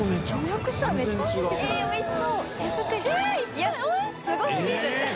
いやすごすぎる